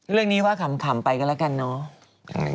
เรื่องนี้ว่าขำไปกันแล้วกันเนาะ